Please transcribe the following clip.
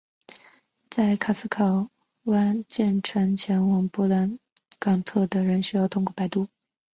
在卡斯考湾桥建成前去往波特兰港的人需要通过摆渡。